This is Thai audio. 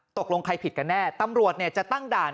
ตกลงใครผิดกันแน่ตำรวจจะตั้งด่าน